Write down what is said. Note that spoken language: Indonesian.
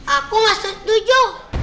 aku gak setuju